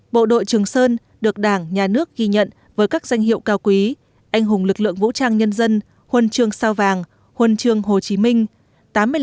bộ đội trường sơn được đảng nhà nước ghi nhận với các danh hiệu cao quý anh hùng lực lượng vũ trang nhân dân huân trường sao vàng huân trường hồ chí minh